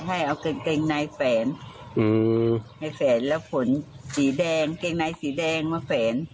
ให้เอากางเกงในแฝนให้แฝนแล้วขนสีแดงเกงในสีแดงมาแฝน